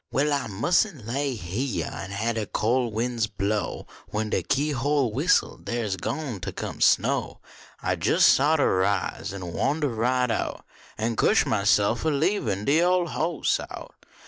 Well, I mus n lay heah An hab de col win s blow When de keyhole whistles dar s gwine ter come snow I jes* oughter rise An wandah right out, An cuah myself ob leebin de ole hoss out.